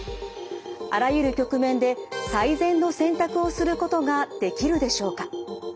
あらゆる局面で最善の選択をすることができるでしょうか。